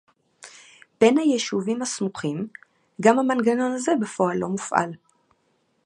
בין היישובים הסמוכים - גם המנגנון הזה בפועל לא מופעל